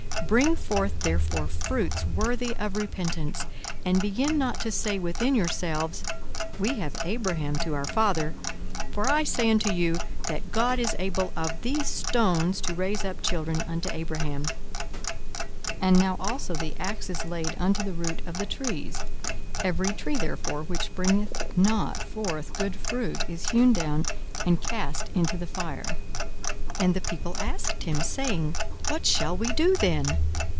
42:003:008 Bring forth therefore fruits worthy of repentance, and begin not to say within yourselves, We have Abraham to our father: for I say unto you, That God is able of these stones to raise up children unto Abraham. 42:003:009 And now also the axe is laid unto the root of the trees: every tree therefore which bringeth not forth good fruit is hewn down, and cast into the fire. 42:003:010 And the people asked him, saying, What shall we do then?